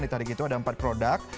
ditarik itu ada empat produk